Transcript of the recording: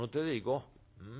うん。